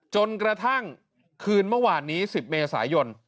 จนกระทั่งคืนเมื่อวานนี้๑๐เมษายน